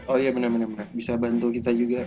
oh iya bener bener bisa bantu kita juga